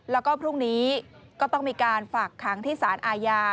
แล้วก็พรุ่งนี้ก็ต้องมีการฝากขังที่สารอาญา